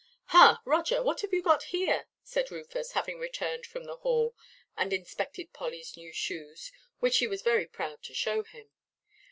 "Ha, Roger, what have you got here?" said Rufus, having returned from the Hall, and inspected Pollyʼs new shoes, which she was very proud to show him.